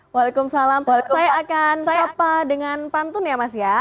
waalaikumsalam saya akan sapa dengan pantun ya mas ya